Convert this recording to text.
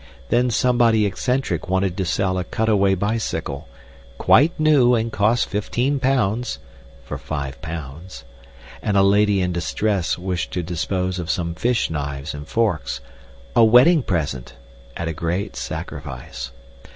Then somebody eccentric wanted to sell a Cutaway bicycle, "quite new and cost £15," for five pounds; and a lady in distress wished to dispose of some fish knives and forks, "a wedding present," at a great sacrifice.